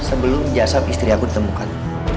sebelum jasad istri aku ditemukan